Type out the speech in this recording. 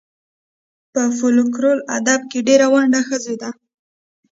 په فولکور ادب کې ډېره ونډه د ښځو ده.